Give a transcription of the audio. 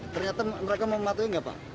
ternyata mereka mematuhi nggak pak